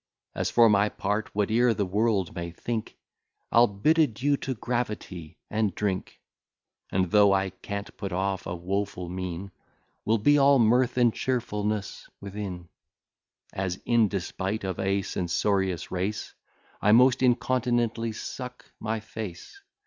As for my part, whate'er the world may think, I'll bid adieu to gravity, and drink; And, though I can't put off a woful mien, Will be all mirth and cheerfulness within: As, in despight of a censorious race, I most incontinently suck my face.